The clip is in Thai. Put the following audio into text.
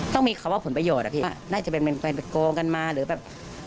ต้องมีคำว่าผลประโยชน์อะพี่น่าจะเป็นไปโกงกันมาหรือแบบ